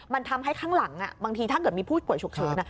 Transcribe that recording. มันทำให้ข้างหลังบางทีถ้าเกิดมีผู้ป่วยฉุกเฉิน